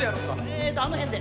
えとあのへんで。